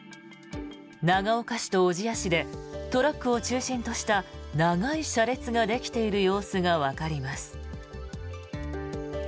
長岡市と小千谷市でトラックを中心とした長い車列ができている様子がわかります。